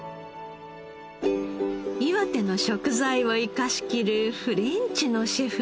岩手の食材を生かしきるフレンチのシェフも。